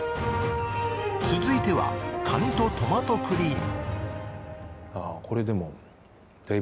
続いてはカニとトマトクリーム。